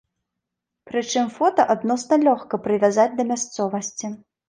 Прычым фота адносна лёгка прывязаць да мясцовасці.